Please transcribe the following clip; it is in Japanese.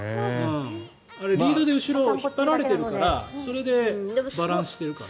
リードで後ろ、引っ張られてるからそれでバランスしてるから。